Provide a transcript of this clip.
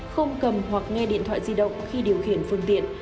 không cầm hoặc nghe điện thoại di động khi điều khiển phương tiện